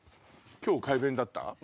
「今日快便だった」。